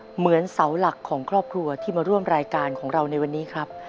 เหมือนเสาหลักของครอบครัวที่มาร่วมรายการของเราในวันนี้ครับ